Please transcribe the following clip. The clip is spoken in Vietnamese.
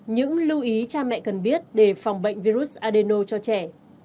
những lưu ý cha mẹ cần biết để phòng bệnh virus adeno cho trẻ